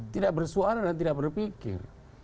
tidak bersuara dan tidak berpikir